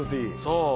そう